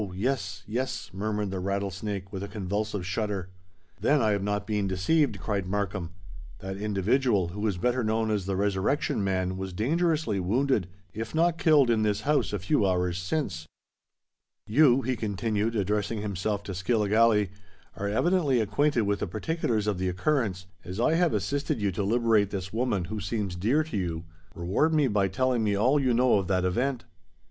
yes—yes," murmured the Rattlesnake, with a convulsive shudder. "Then I have not been deceived!" cried Markham. "That individual, who is better known as the Resurrection Man, was dangerously wounded—if not killed—in this house a few hours since. "You," he continued, addressing himself to Skilligalee, "are evidently acquainted with the particulars of the occurrence: as I have assisted you to liberate this woman who seems dear to you, reward me by telling me all you know of that event."